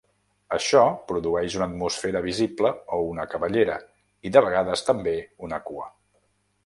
Això produeix una atmosfera visible o una cabellera i, de vegades, també una cua.